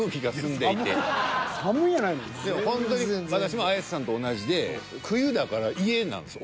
でもほんとに私も綾瀬さんと同じで冬だから家なんですよ。